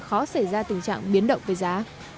khó xảy ra tình trạng biến động về giá